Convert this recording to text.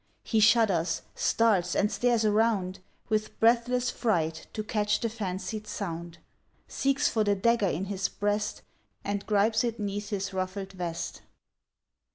He shudders, starts, and stares around, With breathless fright, to catch the fancied sound; Seeks for the dagger in his breast, And gripes it 'neath his ruffled vest.